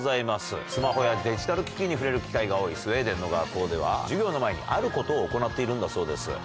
スマホやデジタル機器に触れる機会が多いスウェーデンの学校では授業の前にあることを行っているんだそうです。